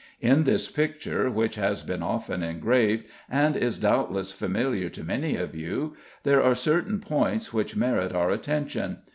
In this picture, which has been often engraved, and is doubtless familiar to many of you, there are certain points which merit our attention.